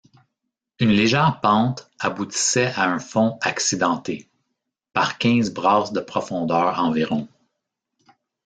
Une légère pente aboutissait à un fond accidenté, par quinze brasses de profondeur environ.